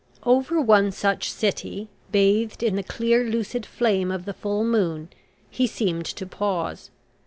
Over one such city, bathed in the clear lucid flame of the full moon, he seemed to pause.